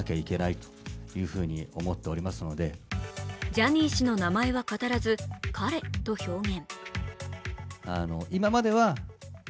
ジャニー氏の名前は語らず彼と表現。